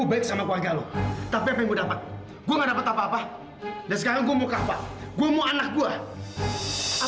beliang hampir lepasin gua